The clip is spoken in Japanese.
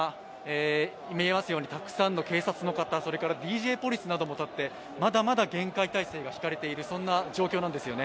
今、たくさんの警察の方、そしてＤＪポリスなども立ってまだまだ厳戒態勢が敷かれている状況なんですよね。